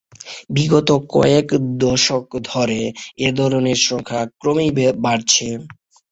বিগত কয়েক দশক ধরে এদের সংখ্যা ক্রমেই বাড়ছে।